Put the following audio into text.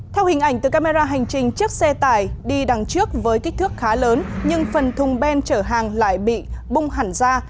theo hình ảnh từ camera hành trình chiếc xe tải đi đằng trước với kích thước khá lớn nhưng phần thùng ben chở hàng lại bị bung hẳn ra